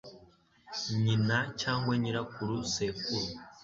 nyina cyangwa nyirakuru sekuru